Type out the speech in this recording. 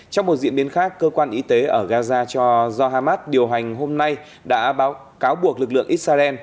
trong một diễn biến khác cơ quan y tế ở gaza cho zohar mat điều hành hôm nay đã cáo buộc lực lượng israel